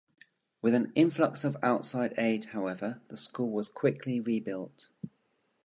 With an influx of outside aid, however, the school was quickly rebuilt.